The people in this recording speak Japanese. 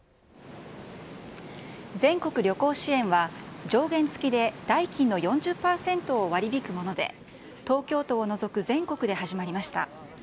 全国旅行支援は、上限付きで代金の４０％を割り引くもので、東京都を除く全国で始まりました。